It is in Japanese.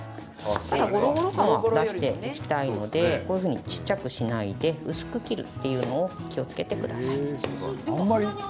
ただ、ゴロゴロ感は出していきたいのでこういうふうに小っちゃくしないで薄く切るっていうのを気をつけてください。